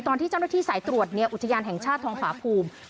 ตอนที่เจ้าหน้าที่สายตรวจอุทยานแห่งชาติทองผาภูมิ